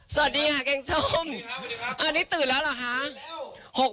สวัสดีค่ะแกงส้มอันนี้ตื่นแล้วเหรอคะ